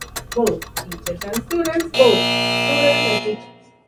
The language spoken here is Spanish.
Obra literaria y musical que muestra la riqueza humanística de Andalucía.